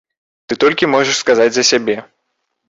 Ты толькі можаш сказаць за сябе.